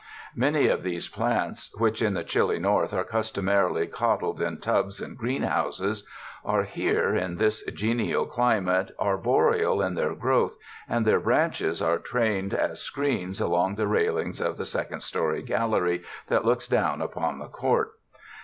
Many of these plants which, in the chilly North, are customarily coddled in tubs and greenhouses, are, here in this genial clime, arboreal in their growth, and their branches are trained as screens along the railings of the sec ond story gallery that looks down upon the court.